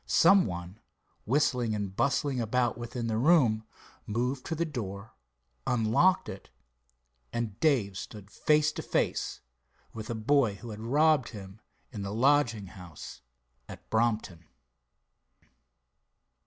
Some one, whistling and bustling about within the room, moved to the door, unlocked it, and Dave stood face to face with the boy who had robbed him in the lodging house at Brompton.